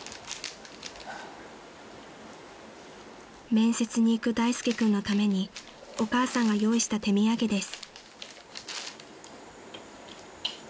［面接に行く大介君のためにお母さんが用意した手土産です］